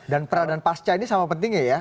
dan peradaan pasca ini sama penting ya ya